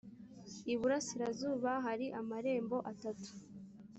iburasirazuba hari amarembo atatu